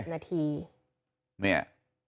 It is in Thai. เนี่ย